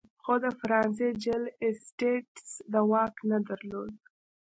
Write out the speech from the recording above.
خو د فرانسې جل اسټټس دا واک نه درلود.